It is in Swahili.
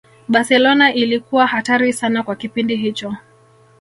Barcelona ilikuwa hatari sana kwa kipindi hicho